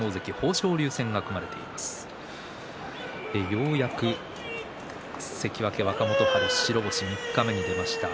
ようやく関脇若元春白星、三日目に出ました。